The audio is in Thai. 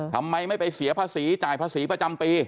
ทำไมไม่ไปเสียภาษีจ่ายภาษีประจำปี